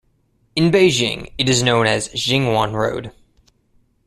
In Beijing it is known as Jingyuan Road.